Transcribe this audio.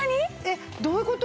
えっどういう事？